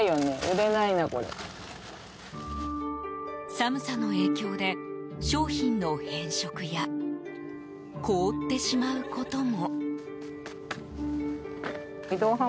寒さの影響で、商品の変色や凍ってしまうことも。